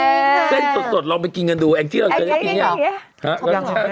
เออใช่สดลองไปกินกันดูแอ่งที่เราเจอกันกินอย่างนี้